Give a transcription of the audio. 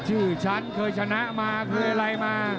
ชื่อฉันเคยชนะมาเคยอะไรมา